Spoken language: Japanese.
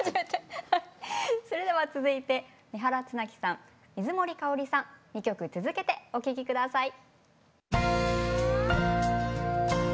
それでは続いて三原綱木さん水森かおりさん２曲続けてお聞き下さい。